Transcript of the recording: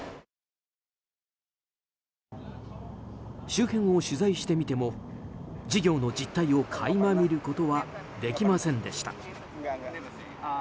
周辺を取材してみても事業の実態を垣間見ることはできませんでした。